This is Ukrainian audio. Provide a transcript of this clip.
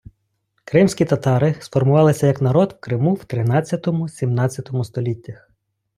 Кримські татари сформувалися як народ в Криму в тринадцятому - сімнадцятому століттях.